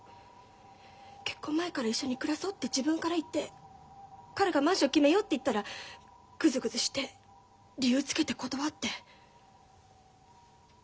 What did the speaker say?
結婚前から一緒に暮らそうって自分から言って彼がマンション決めようって言ったらグズグズして理由つけて断って。